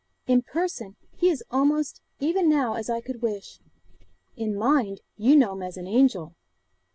In person he is almost even now as I could wish; in mind you know him an angel.